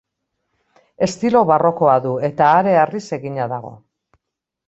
Estilo barrokoa du eta hareharriz egina dago.